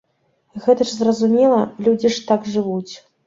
Гэта ж зразумела, людзі ж так жывуць.